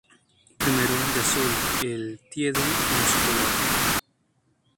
Primero, de azul, el Teide en su color.